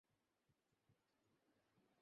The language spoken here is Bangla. উপরে টিন দিয়ে ছাদের কাজ চলছে।